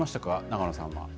永野さんは。